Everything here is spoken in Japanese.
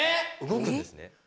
動くんですね。